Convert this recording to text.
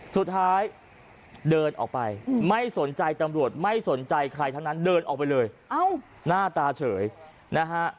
สุดท้ายเดินออกไปไม่สนใจตำรวจไม่สนใจใครทั้งนั้นเดินออกไปเลยหน้าตาเฉยนะฮะ